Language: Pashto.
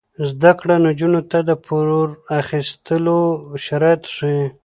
زده کړه نجونو ته د پور اخیستلو شرایط ښيي.